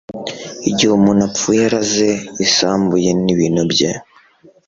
igihe umuntu apfuye araze, isambu ye n'ibintu bye